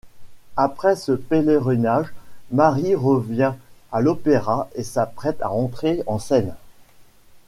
Après ce pèlerinage, Marie revient à l'Opéra et s'apprête à entrer en scène.